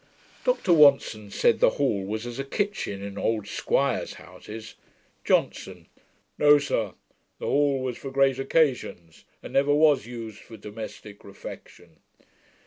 Dr Watson said, the hall was as a kitchen, in old squires' houses. JOHNSON. 'No, sir. The hall was for great occasions, and never was used for domestick reflection.'